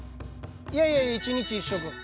いやいや１日１食。